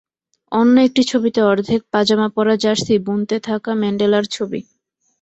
অন্য একটি ছবিতে অর্ধেক পাজামা পরা জার্সি বুনতে থাকা ম্যান্ডেলার ছবি।